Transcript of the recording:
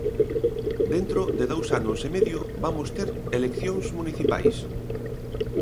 Dentro de dous anos e medio vamos ter eleccións municipais.